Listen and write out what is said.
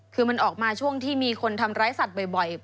คือมันออกมาช่วงที่มีคนทำร้ายสัตว์บ่อย